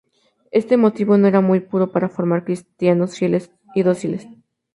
Este motivo no era muy puro para formar cristianos fieles y dóciles.